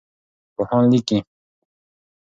پوهان لیکي.